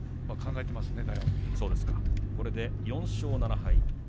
これで４勝７敗